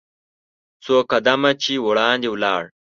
څو قدمه چې وړاندې ولاړ .